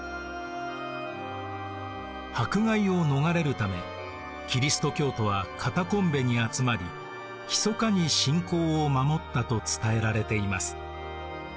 迫害を逃れるためキリスト教徒はカタコンベに集まりひそかに信仰を守ったと伝えられています。